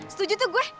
setuju tuh gue